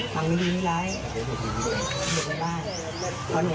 ฟังไม่ดีไม่ไรอยู่ในบ้าน